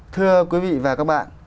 thưa quý vị và các bạn